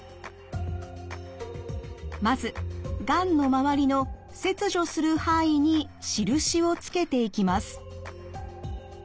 まずがんの周りの切除する範囲に印をつけていきます。